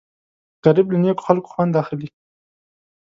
غریب له نیکو خلکو خوند اخلي